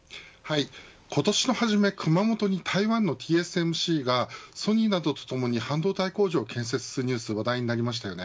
今年の初め熊本に台湾のＴＳＭＣがソニーなどとともに半導体工場を建設するニュースが話題になりました。